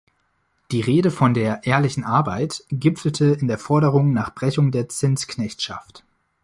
Die Rede von der „ehrlichen Arbeit“ gipfelte in der Forderung nach Brechung der Zinsknechtschaft.